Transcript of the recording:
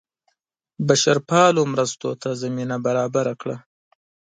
بشرپالو مرستو ته زمینه برابره کړه.